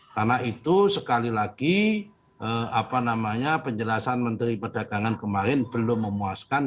karena itu sekali lagi penjelasan menteri perdagangan kemarin belum memuaskan